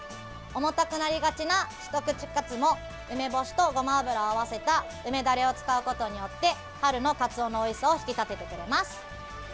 重たくなりがちな一口カツも梅干しとごま油を合わせた梅ダレを使うことによって春のカツオのおいしさを引き立ててくれます。